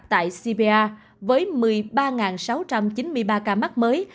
tại sibia với một mươi ba sáu trăm chín mươi ba ca mắc mới